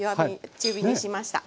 中火にしました。